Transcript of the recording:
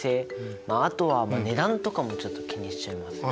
あとは値段とかもちょっと気にしちゃいますね。